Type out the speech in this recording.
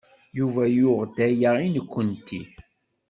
Yuba yuɣ-d aya i nekkenti.